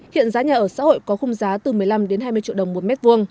hiện giá nhà ở xã hội có khung giá từ một mươi năm hai mươi triệu đồng một m hai